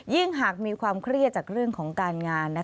หากมีความเครียดจากเรื่องของการงาน